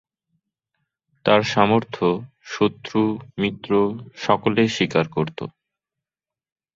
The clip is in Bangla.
তার সামর্থ্য শত্রু মিত্র সকলেই স্বীকার করত।